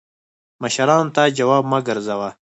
مشرانو ته جواب مه ګرځوه